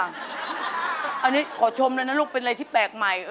อันนี้ขอชมเลยนะลูกเป็นอะไรที่แปลกใหม่